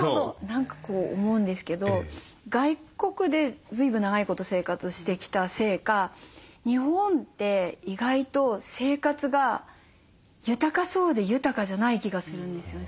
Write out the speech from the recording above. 何か思うんですけど外国でずいぶん長いこと生活してきたせいか日本って意外と生活が豊かそうで豊かじゃない気がするんですよね。